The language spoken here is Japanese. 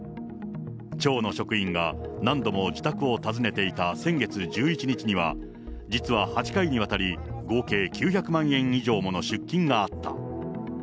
町の職員が何度も自宅を訪ねていた先月１１日には、実は８回にわたり、合計９００万円以上もの出金があった。